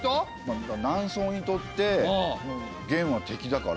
南宋にとって元は敵だから。